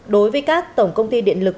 đối với các tổng công ty điện lực